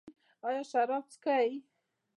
ایا شراب څښئ؟